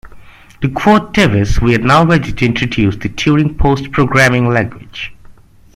To quote Davis: We are now ready to introduce the Turing-Post Programming Language.